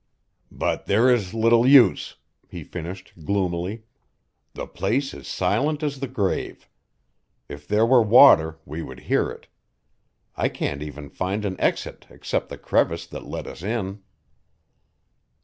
"But there is little use," he finished gloomily. "The place is silent as the grave. If there were water we would hear it. I can't even find an exit except the crevice that let us in."